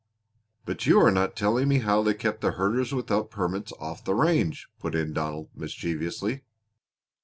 "But you are not telling me how they kept the herders without permits off the range," put in Donald mischievously.